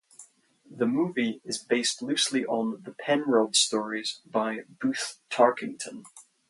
The movie is based loosely on the "Penrod" stories by Booth Tarkington.